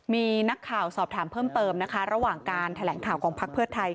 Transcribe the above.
มีนักข่าวสอบถามเพิ่มเติมนะคะระหว่างการแถลงข่าวของพักเพื่อไทย